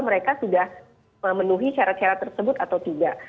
mereka sudah memenuhi syarat syarat tersebut atau tidak